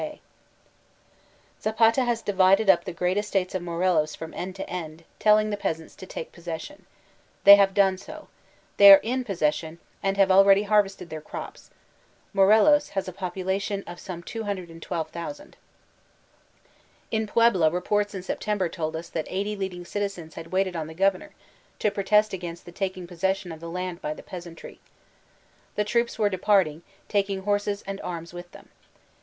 264 VOLTAIRINE DE ClEYRE Zapata has divided up the great estates of Morelos from end to end, telling the peasants to take possession. They have done so. They are in possession, and have already harvested their crops. Morelos has a population of some 212,000. In Puebla reports in September told us that eighty leading citizens had waited on the governor to protest against the taking possession of the land by the peasan try. The troops were deserting, taking horses and arms with them.